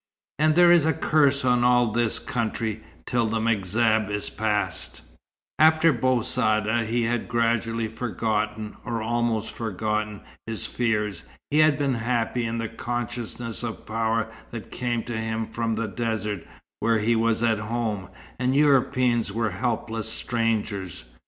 And there is a curse on all this country, till the M'Zab is passed." After Bou Saada, he had gradually forgotten, or almost forgotten, his fears. He had been happy in the consciousness of power that came to him from the desert, where he was at home, and Europeans were helpless strangers.